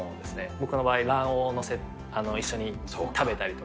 僕の場合、卵黄を一緒に食べたりとか。